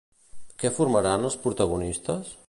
Què formaran els protagonistes?